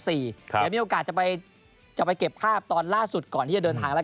เดี๋ยวมีโอกาสจะไปเก็บภาพตอนล่าสุดก่อนที่จะเดินทางแล้ว